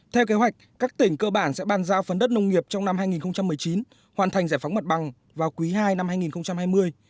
theo kế hoạch các tỉnh cơ bản sẽ bàn giao phần đất nông nghiệp trong năm hai nghìn một mươi chín hoàn thành giải phóng mặt bằng vào quý ii năm hai nghìn hai mươi